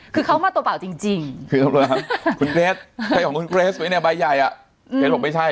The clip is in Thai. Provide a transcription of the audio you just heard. คือเขามาตัวเปล่าจริงคุณเกรสใบของคุณเกรสไว้ในใบใหญ่อ่ะเกรสบอกว่าไม่ใช่